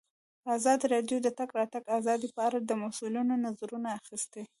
ازادي راډیو د د تګ راتګ ازادي په اړه د مسؤلینو نظرونه اخیستي.